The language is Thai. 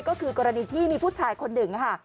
ก็คือกรณีที่มีผู้ชายคนหนึ่งค่ะ